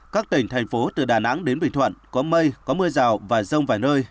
các tỉnh thành phố từ đà nẵng đến bình thuận có mây có mưa rào và rông vài nơi